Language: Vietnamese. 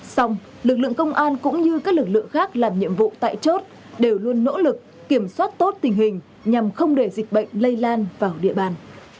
xong lực lượng công an cũng như các lực lượng khác làm nhiệm vụ tại chốt đều luôn nỗ lực kiểm soát tốt tình hình nhằm không để dịch bệnh lây lan vào địa bàn